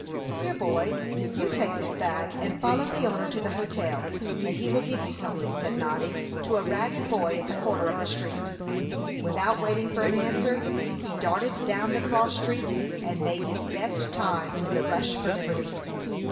"Here, boy, you take this bag, and follow the owner to the hotel, and he will give you something," said Noddy to a ragged boy at the corner of the street. Without waiting for an answer, he darted down the cross street, and made his best time in the rush for liberty.